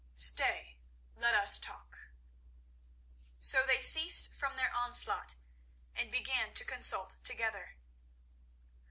Stay, let us talk." So they ceased from their onslaught and began to consult together.